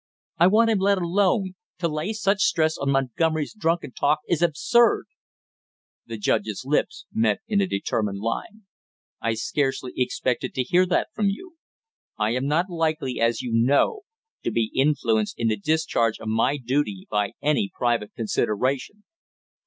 "I want him let alone! To lay such stress on Montgomery's drunken talk is absurd!" The judge's lips met in a determined line. "I scarcely expected to hear that from you! I am not likely, as you know, to be influenced in the discharge of my duty by any private consideration."